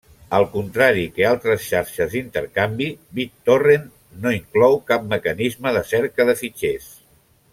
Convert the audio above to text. Al contrari que altres xarxes d'intercanvi, BitTorrent no inclou cap mecanisme de cerca de fitxers.